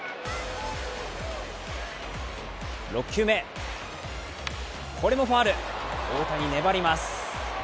６球目、これもファウル、大谷、粘ります。